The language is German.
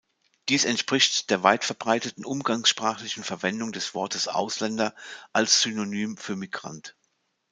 Dies entspricht der weit verbreiteten umgangssprachlichen Verwendung des Wortes "Ausländer" als Synonym für Migrant.